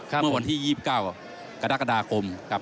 เมื่อวันที่๒๙กระด็ากกระดาคมครับ